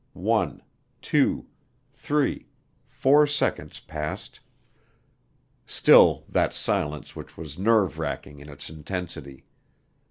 One, two, three, four seconds passed still that silence which was nerve racking in its intensity.